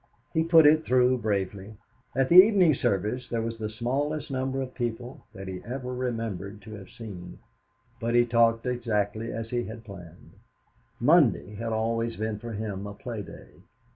He put it through bravely. At the evening service there was the smallest number of people that he ever remembered to have seen, but he talked exactly as he had planned. Monday had always been for him a play day.